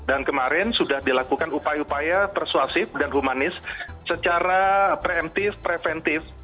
dan kemarin sudah dilakukan upaya upaya persuasif dan humanis secara preemptif preventif